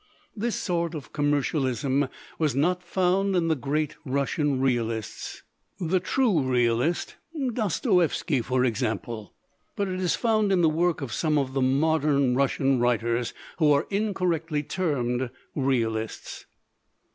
This sort of commercialism was not found in the great Russian realists, the true realist Dostoievski, for example. But it is found in the work of some of the modern Russian writers who are incorrectly termed realists."